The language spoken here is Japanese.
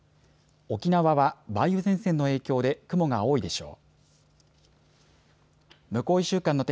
沖縄は梅雨前線の影響で雲が多いでしょう。